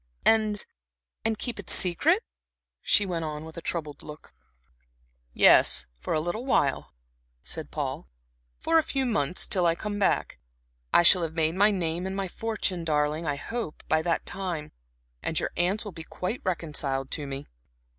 "And and keep it secret?" she went on, with a troubled look. "Yes, for a little while," said Paul, "for a few months, till I come back. I shall have made my name and my fortune, darling, I hope, by that time, and your aunts will be quite reconciled to me."